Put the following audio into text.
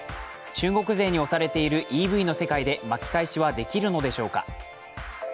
中国勢に押されているＥＶの世界で巻き返しはできるのでしょうか。